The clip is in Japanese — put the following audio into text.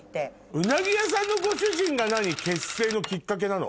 うなぎ屋さんのご主人が結成のきっかけなの？